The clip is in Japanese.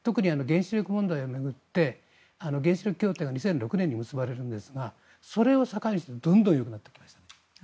特に原子力問題を巡って原子力協定が２００６年に結ばれるんですがそれを境にしてどんどんよくなってきましたね。